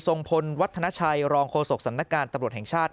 ทรงพลวัฒนาชัยรองโฆษกสำนักงานตำรวจแห่งชาติ